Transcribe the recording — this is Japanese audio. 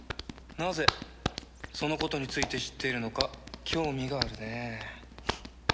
なぜそのことについて知っているのか興味があるね。